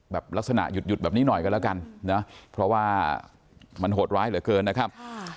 แบบลักษณะหยุดแบบนี้หน่อยกันแล้วกันนะเพราะว่ามันโหดร้ายเหลือเกินนะครับ